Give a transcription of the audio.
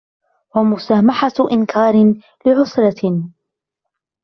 وَمُسَامَحَةُ إنْكَارٍ لِعُسْرَةٍ